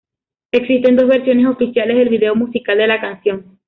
Existen dos versiones oficiales del video musical de la canción.